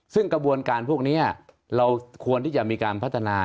ซึ่งกระบวนการพวกนี้เราควรที่จะมีการพัฒนา